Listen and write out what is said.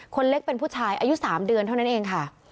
คนเล็กเป็นผู้ชายอายุ๓เดือนเท่านั้นเองค่ะ